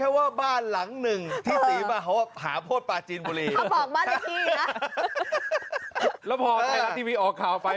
อีก๖ลูกแบ่งเบิร์ดน้ำแข็งดองคนละสักสองละกัน